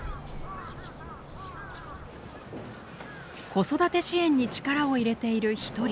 子育て支援に力を入れている一人